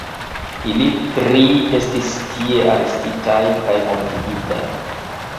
Ili tri estis tie arestitaj kaj mortigitaj.